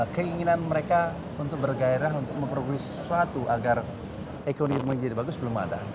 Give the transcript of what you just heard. keinginan mereka untuk bergairah untuk memperoleh sesuatu agar ekonomi jadi bagus belum ada